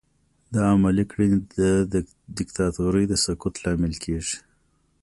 دا عملي کړنې د دیکتاتورۍ د سقوط لامل کیږي.